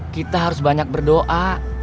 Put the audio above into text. kita harus banyak berdoa